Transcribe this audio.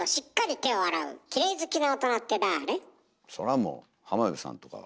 それはもう浜辺さんとかは。